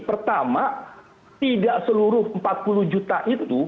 pertama tidak seluruh empat puluh juta itu